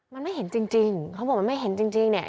มันไม่เห็นจริงเขาบอกว่ามันไม่เห็นจริง